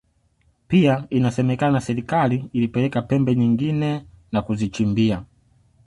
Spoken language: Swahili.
Pia inasemekana serikali ilipeleka pembe nyingine na kuzichimbia